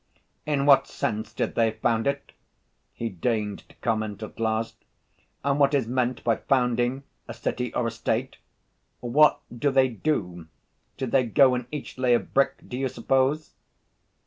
"In what sense did they found it?" he deigned to comment at last. "And what is meant by founding a city or a state? What do they do? Did they go and each lay a brick, do you suppose?"